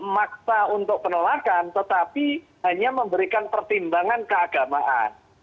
maksa untuk penolakan tetapi hanya memberikan pertimbangan keagamaan